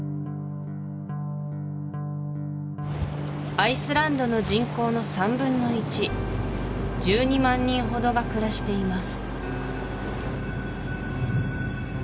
アイスランドの人口の３分の１１２万人ほどが暮らしています